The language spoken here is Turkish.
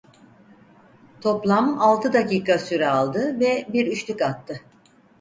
Toplam altı dakika süre aldı ve bir üçlük attı.